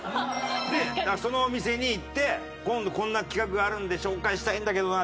でそのお店に行って今度こんな企画があるんで紹介したいんだけどな。